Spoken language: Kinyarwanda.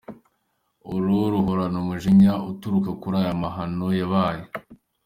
Uru ruhorana umujinya uturuka kuri ayo mahano yabaye.